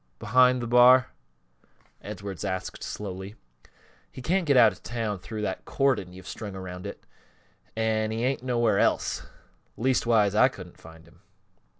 Behind th' bar?" Edwards asked, slowly. "He can't get out of town through that cordon you've got strung around it, an' he ain't nowhere else. Leastwise, I couldn't find him."